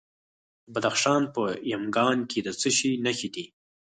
د بدخشان په یمګان کې د څه شي نښې دي؟